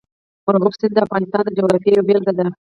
مورغاب سیند د افغانستان د جغرافیې یوه بېلګه ده.